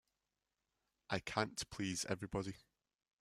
I can't please everybody.